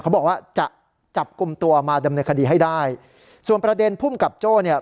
บอกว่าจะจับกลุ่มตัวมาดำเนินคดีให้ได้ส่วนประเด็นภูมิกับโจ้เนี่ย